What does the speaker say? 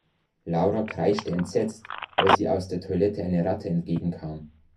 Laura kreischte entsetzt, als ihr aus der Toilette eine Ratte entgegenkam.